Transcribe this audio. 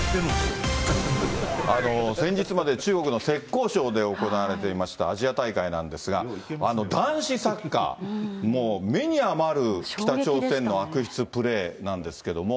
先日まで中国の浙江省で行われていましたアジア大会なんですが、男子サッカー、もう目に余る北朝鮮の悪質プレーなんですけども。